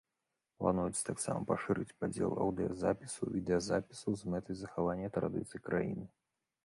Плануецца таксама пашырыць падзел аўдыёзапісаў і відэазапісаў з мэтай захавання традыцый краіны.